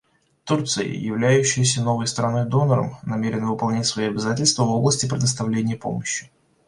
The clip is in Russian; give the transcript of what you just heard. Турция, являющаяся новой страной-донором, намерена выполнять свои обязательства в области предоставления помощи.